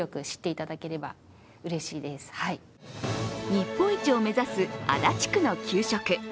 日本一を目指す足立区の給食。